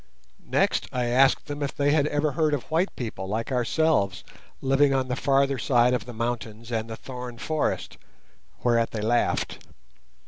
Next I asked them if they had ever heard of white people like ourselves living on the farther side of the mountains and the thorn forest, whereat they laughed.